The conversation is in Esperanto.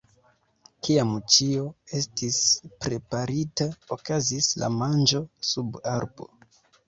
Kiam ĉio estis preparita, okazis la manĝo sub arbo.